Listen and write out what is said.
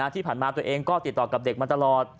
ที่ผ่านมาตัวเองก็ติดต่อกับเด็กมาตลอด